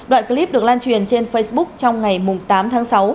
đoạn clip được lan truyền trên facebook trong ngày tám tháng sáu